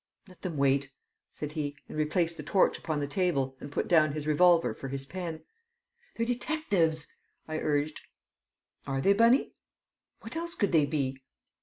"Let them wait!" said he, and replaced the torch upon the table and put down his revolver for his pen. "They're detectives!" I urged. "Are they, Bunny?" "What else could they be?"